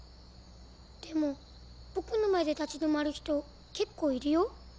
でも僕の前で立ち止まる人結構いるよ。